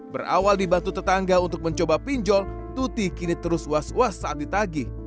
berawal dibantu tetangga untuk mencoba pinjol tuti kini terus was was saat ditagih